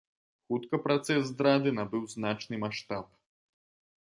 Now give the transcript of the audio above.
Хутка працэс здрады набыў значны маштаб.